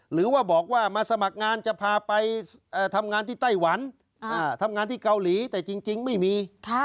หรือว่าบอกว่ามาสมัครงานจะพาไปทำงานที่ไต้หวันทำงานที่เกาหลีแต่จริงไม่มี